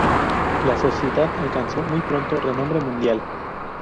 La Sociedad alcanzó muy pronto renombre mundial.